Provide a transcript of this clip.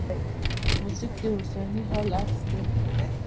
موزیک د اوسني حال عکس دی.